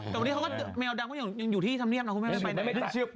แต่วันนี้เขาก็เจอแมวดำยังอยู่ที่สำเนียบนะคุณแม่ไม่ไปไหน